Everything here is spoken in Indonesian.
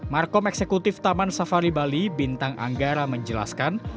markom eksekutif taman safari bali bintang anggara menjelaskan